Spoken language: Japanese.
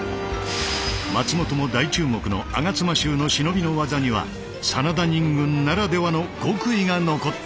松本も大注目の吾妻衆の忍びの技には真田忍軍ならではの極意が残っている。